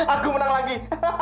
aku menang lagi